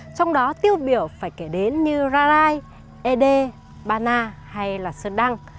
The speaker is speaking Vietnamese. trong đó tiêu biểu phải kể đến như rarai ede bana hay là sơn đăng